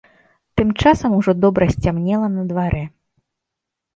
Тым часам ужо добра сцямнела на дварэ.